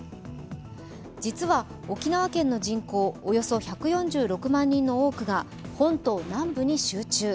実は、沖縄県の人口およそ１４６万人の多くが本島南部に集中。